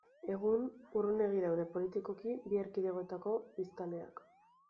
Egun, urrunegi daude politikoki bi erkidegoetako biztanleak.